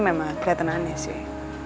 memang keliatan aneh sih